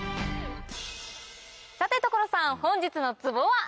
さて所さん本日のツボは？